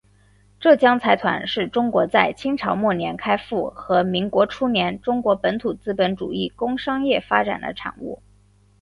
江浙财团是中国在清朝末年开阜和民国初年中国本土资本主义工商业发展的产物。